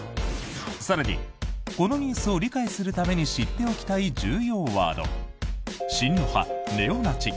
更に、このニュースを理解するために知っておきたい重要ワード親ロ派、ネオナチ。